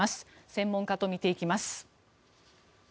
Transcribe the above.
専門家と見ていきます。